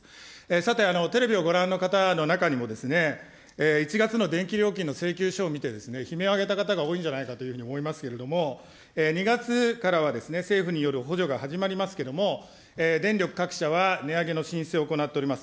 さて、テレビをご覧の方の中にも、１月の電気料金の請求書を見て悲鳴を上げた方が多いんじゃないかというふうに思いますけれども、２月からは政府による補助が始まりますけれども、電力各社は値上げの申請を行っております。